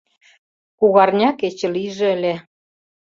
Кугарня кече лийже ыле.